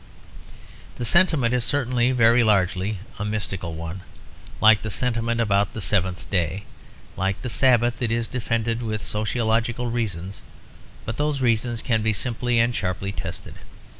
The sentiment is certainly very largely a mystical one, like the sentiment about the seventh day. Like the Sabbath, it is defended with sociological reasons; but those reasons can be simply and sharply tested.